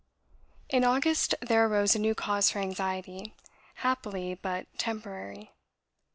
In August there arose a new cause for anxiety, happily but temporary.